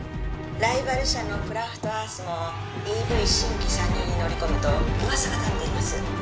ライバル社のクラフトアースもＥＶ新規参入に乗り込むと噂が立っています